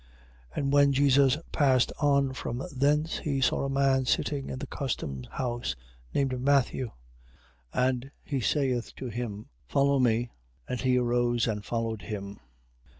9:9. And when Jesus passed on from thence, he saw a man sitting in the custom house, named Matthew; and he saith to him: Follow me. And he arose up and followed him.